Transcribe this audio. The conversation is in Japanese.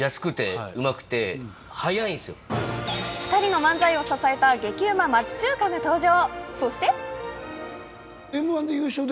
２人の漫才を支えた激ウマ町中華が登場。